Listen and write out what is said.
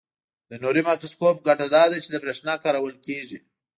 د نوري مایکروسکوپ ګټه داده چې بې له برېښنا کارول کیږي.